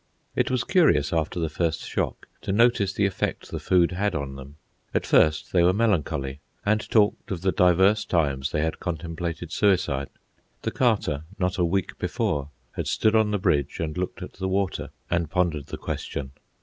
It was curious, after the first shock, to notice the effect the food had on them. At first they were melancholy, and talked of the divers times they had contemplated suicide. The Carter, not a week before, had stood on the bridge and looked at the water, and pondered the question.